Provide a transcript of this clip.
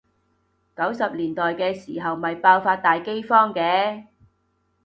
九十年代嘅時候咪爆發大饑荒嘅？